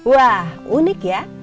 wah unik ya